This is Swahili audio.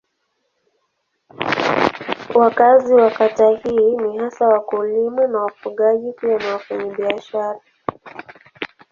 Wakazi wa kata hii ni hasa wakulima na wafugaji pia ni wafanyabiashara.